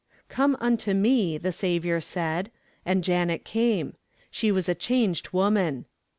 _ 'Come unto Me!' the Saviour said. And Janet came! She was a changed woman!